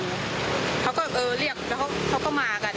มันก็เรียกเขามาดูกัน